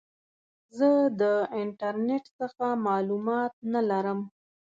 زه د انټرنیټ څخه معلومات نه لرم.